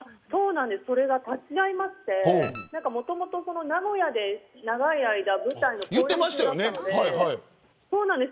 それが立ち会いましてもともと名古屋で長い間舞台の公演中だったので。